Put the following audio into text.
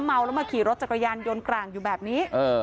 เมาแล้วมาขี่รถจักรยานยนต์กลางอยู่แบบนี้